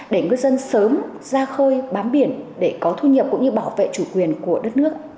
để ngư dân sớm ra khơi bám biển để có thu nhập cũng như bảo vệ chủ quyền của đất nước